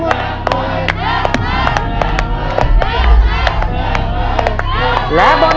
คุณฝนจากชายบรรยาย